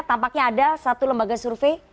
tampaknya ada satu lembaga survei